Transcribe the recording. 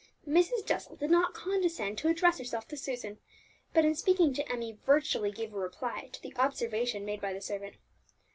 Mrs. Jessel did not condescend to address herself to Susan, but in speaking to Emmie virtually gave a reply to the observation made by the servant.